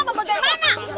emang dasar ya